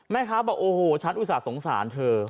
มั๊ยครับบอกโอ้โหฉันอุตสาหรรษงษาเหรอเธอ